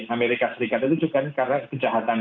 amerika serikat itu juga karena kejahatan